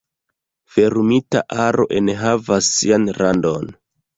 Fermita aro enhavas sian randon.